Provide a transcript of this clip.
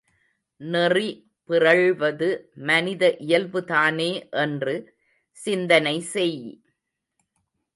நெறி பிறழ்வது மனித இயல்பு தானே என்று சிந்தனை செய்!